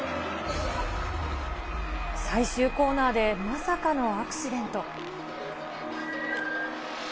最終コーナーでまさかのアクシデント。